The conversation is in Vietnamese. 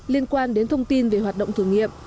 liên quan đến thông tin về hoạt động thử nghiệm